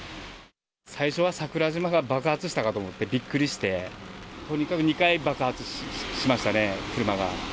最初は桜島が爆発したかと思ってびっくりして、とにかく２回爆発しましたね、車が。